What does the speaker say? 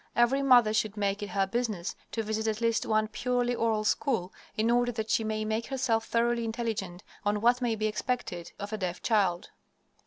Every mother should make it her business to visit at least one purely oral school, in order that she may make herself thoroughly intelligent on what may be expected of a deaf child.